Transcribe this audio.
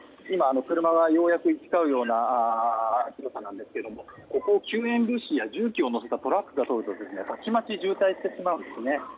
車がようやく行き交うようなところなんですがここを救援物資や重機をトラックが通るとたちまち渋滞してしまうんです。